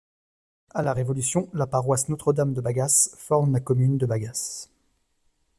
À la Révolution, la paroisse Notre-Dame de Bagas forme la commune de Bagas.